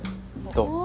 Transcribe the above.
どう？